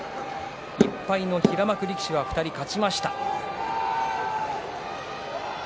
１敗の平幕力士は２人勝ちました。